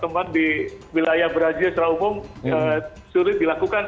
itu sama teman di wilayah brazil secara umum sulit dilakukan